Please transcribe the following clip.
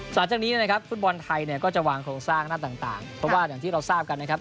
สร้างหน้าต่างเพราะว่าอย่างที่เราทราบกันนะครับ